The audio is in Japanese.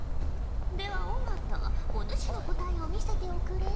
では尾形お主の答えを見せておくれ。